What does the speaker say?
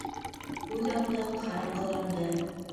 Күҙ алды ҡараңғыланды.